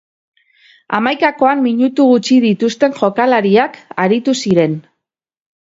Hamaikakoan minutu gutxi dituzten jokalariak aritu ziren.